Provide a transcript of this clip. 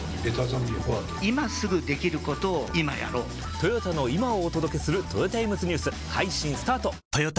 トヨタの今をお届けするトヨタイムズニュース配信スタート！！！